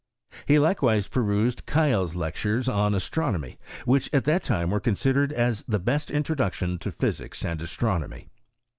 He Ukewist penised Keil's Lectures on Astronomy, vhich at that time were considered as the best introdactioB to physics and astronomy.